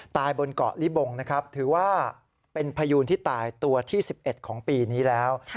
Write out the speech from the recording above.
บนเกาะลิบงนะครับถือว่าเป็นพยูนที่ตายตัวที่๑๑ของปีนี้แล้ว